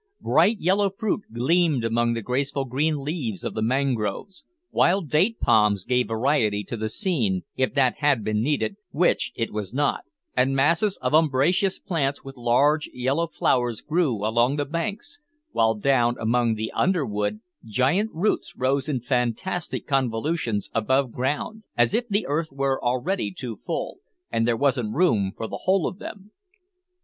Bright yellow fruit gleamed among the graceful green leaves of the mangroves; wild date palms gave variety to the scene, if that had been needed, which it was not, and masses of umbrageous plants with large yellow flowers grew along the banks, while, down among the underwood, giant roots rose in fantastic convolutions above ground, as if the earth were already too full, and there wasn't room for the whole of them.